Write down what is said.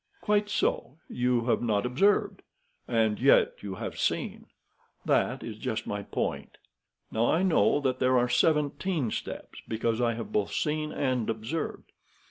"Quite so! You have not observed. And yet you have seen. That is just my point. Now, I know there are seventeen steps, because I have both seen and observed.